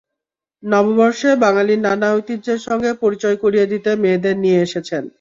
নববর্ষে বাঙালির নানা ঐতিহ্যের সঙ্গে পরিচয় করিয়ে দিতে মেয়েদের নিয়ে এসেছেন।